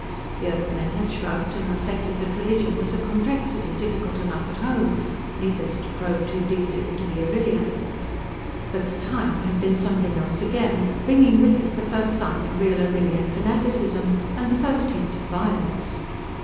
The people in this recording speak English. The Earthmen had shrugged and reflected that religion was a complexity difficult enough at home, needless to probe too deeply into the Arrillian. But The Time had been something else again, bringing with it, the first sign of real Arrillian fanaticism and the first hint of violence.